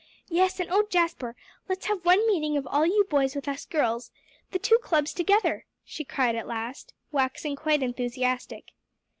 "Yes, and oh, Jasper, let's have one meeting of all you boys with us girls the two clubs together," she cried at last, waxing quite enthusiastic.